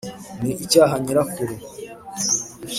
ni icya nyirakuru